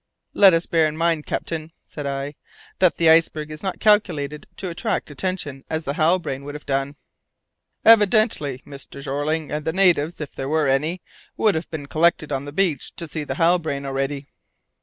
"Let us bear in mind, captain," said I, "that the iceberg is not calculated to attract attention as the Halbrane would have done." "Evidently, Mr. Jeorling; and the natives, if there were any, would have been collected on the beach to see the Halbrane already."